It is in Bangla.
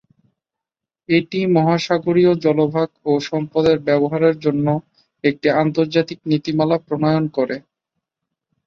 এটি মহাসাগরীয় জলভাগ ও সম্পদের ব্যবহারের জন্য একটি আন্তর্জাতিক নীতিমালা প্রণয়ন করে।